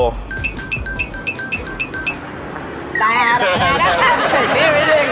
ใส่